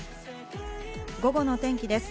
午後の天気です。